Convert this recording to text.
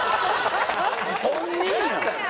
本人やん！